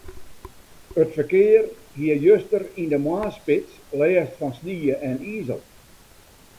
It ferkear hie juster yn de moarnsspits lêst fan snie en izel.